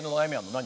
何？